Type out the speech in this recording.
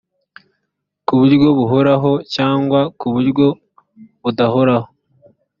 ku buryo buhoraho cyangwa ku buryo budahoraho